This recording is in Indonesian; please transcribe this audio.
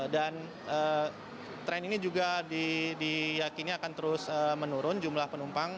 dan tren ini juga diyakinya akan terus menurun jumlah penumpang